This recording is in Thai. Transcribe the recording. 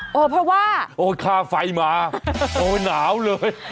เออเพราะว่าโอ้โฮข้าวไฟมาโอ้โฮหนาวเลย